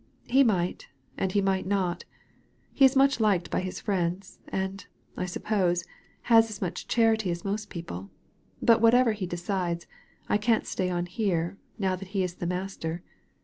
He might, and he might not He is much liked by his friends, and, I suppose, has as much charity as most people ; but whatever he decides, I can't stay on here, now that he is the master.